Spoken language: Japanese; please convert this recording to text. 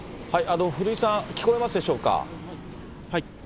古井さん、聞こえますでしょうか。